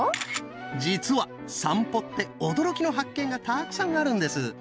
実は散歩って驚きの発見がたくさんあるんです。